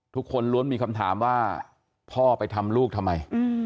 ทุกคนล้วนมีคำถามว่าพ่อไปทำลูกทำไม